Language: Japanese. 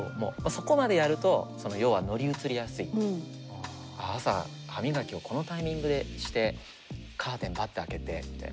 そこまでやると要は朝歯磨きをこのタイミングでしてカーテンバッて開けてみたいな。